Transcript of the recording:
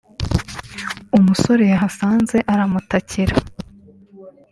umusore yahasanze aramutakira